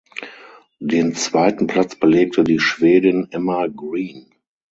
Den zweiten Platz belegte die Schwedin Emma Green.